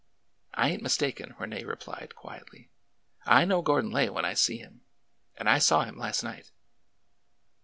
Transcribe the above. I ain't mistaken," Rene replied quietly. I know Gordon Lay when I see him ! And I saw him last night."